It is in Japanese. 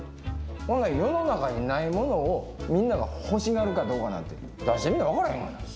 ほな世の中にないものをみんなが欲しがるかどうかなんて出してみなわからへんがな。